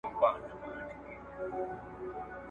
نور یې غم نه وي د نورو له دردونو ,